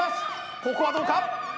ここはどうか？